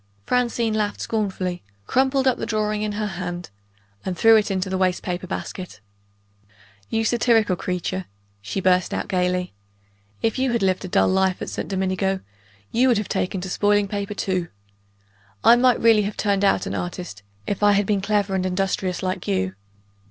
Francine laughed scornfully crumpled the drawing up in her hand and threw it into the waste paper basket. "You satirical creature!" she burst out gayly. "If you had lived a dull life at St. Domingo, you would have taken to spoiling paper too. I might really have turned out an artist, if I had been clever and industrious like you.